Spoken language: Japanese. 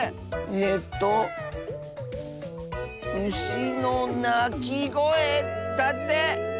えと「うしのなきごえ」だって！